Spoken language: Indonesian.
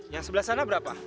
yang sebelah sana berapa